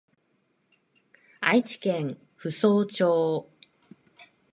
愛知県扶桑町